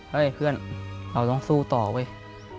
เพื่อนเราต้องสู้ต่อเว้ย